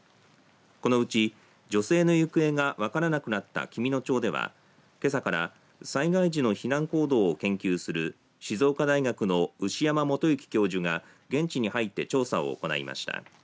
このうち女性の行方が分からなくなった紀美野町ではけさから災害時の避難行動を研究する静岡大学の牛山素行教授が現地に入って調査を行いました。